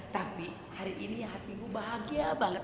tapi hari ini hatimu bahagia banget